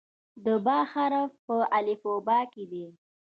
د "ب" حرف په الفبا کې دی.